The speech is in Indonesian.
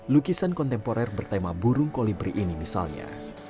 lukisan kontemporer bertema burung kolibri ini misalnya